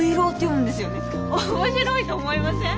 面白いと思いません？